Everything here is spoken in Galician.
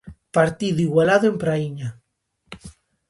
Partido igualado en Praíña.